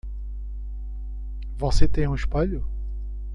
Você tem um espelho?